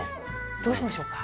どうしましょうか？